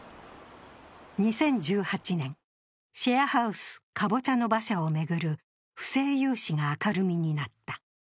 ２０１８年、シェアハウスかぼちゃの馬車を巡る不正融資が明るみになった。